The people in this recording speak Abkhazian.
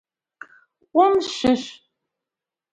Ҟәымшәышә!